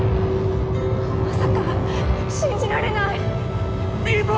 まさか信じられない！ミーポ！